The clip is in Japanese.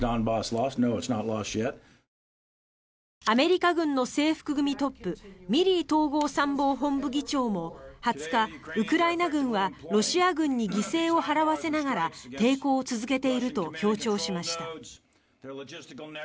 アメリカ軍の制服組トップミリー統合参謀本部議長は２０日、ウクライナ軍はロシア軍に犠牲を払わせながら抵抗を続けていると強調しました。